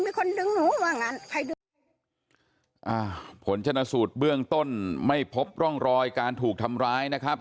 มีคนดึงหนูว่างั้นใครดึงอ่าผลชนะสูตรเบื้องต้นไม่พบร่องรอยการถูกทำร้ายนะครับ